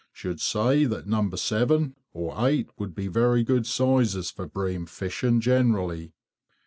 Should say that No. 7 or 8 would be very good sizes for bream fishing generally.